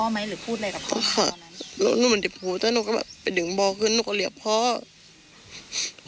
น่ารักข่ะร่วมหนูเหมือนเด็กถ้าหนูกลายดึงบ่อขึ้นหนูก็เลี่ยวแจ้งพ่อ